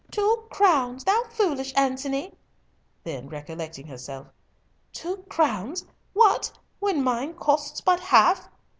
"Two crowns! thou foolish Antony!" Then recollecting herself, "two crowns! what, when mine costs but half!